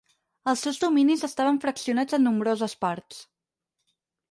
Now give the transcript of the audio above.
Els seus dominis estaven fraccionats en nombroses parts.